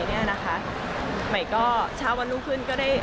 พวกเราก็ไปรู้สึกอันนี้